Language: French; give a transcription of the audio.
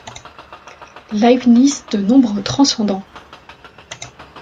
Leibniz de nombres transcendants.